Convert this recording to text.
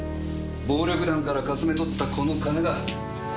暴力団からかすめ取ったこの金だ。